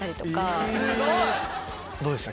どうでした？